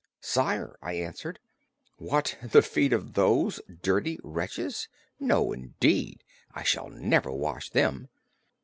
"Sire," I answered, "What, the feet of those dirty wretches! No indeed, I shall never wash them."